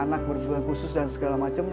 anak berjuang khusus dan segala macam